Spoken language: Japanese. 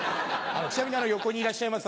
ちなみに横にいらっしゃいます